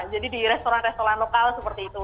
jadi di restoran restoran lokal seperti itu